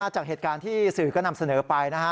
จากเหตุการณ์ที่สื่อก็นำเสนอไปนะฮะ